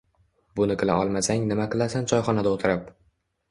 Buni qila olmasang nima qilasan choyxonada o'tirib.